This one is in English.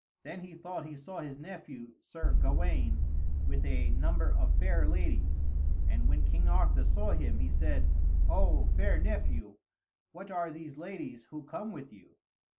Then he thought he saw his nephew, Sir Gawaine, with a number of fair ladies, and when King Arthur saw him, he said, "O fair nephew, what are these ladies who come with you?"